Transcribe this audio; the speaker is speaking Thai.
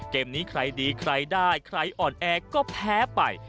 เกมนี้ใครดีใครได้ใครอ่อนแอก็แพ้ไป